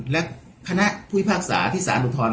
และคณะผู้พิพากษาที่สารอุทธรณ